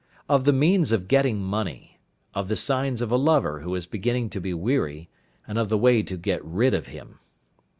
Of the means of getting Money; of the Signs of a Lover who is beginning to be weary, and of the way to get rid of him.